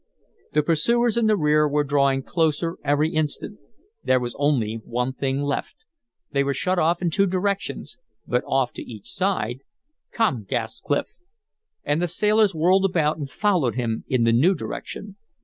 The pursuers in the rear were drawing closer every instant. There was only one thing left. They were shut off in two directions, but off to each side "Come!" gasped Clif. And the sailors whirled about and followed him in the new direction.